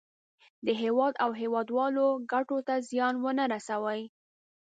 د هېواد او هېوادوالو ګټو ته زیان ونه رسوي.